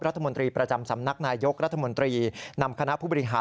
รัฐมนตรีประจำสำนักนายยกรัฐมนตรีนำคณะผู้บริหาร